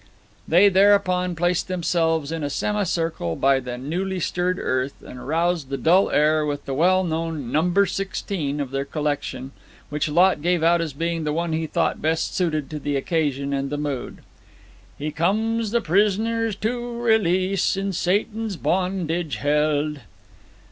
They thereupon placed themselves in a semicircle by the newly stirred earth, and roused the dull air with the well known Number Sixteen of their collection, which Lot gave out as being the one he thought best suited to the occasion and the mood He comes' the pri' soners to' re lease', In Sa' tan's bon' dage held'.